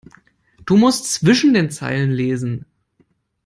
Du musst zwischen den Zeilen lesen.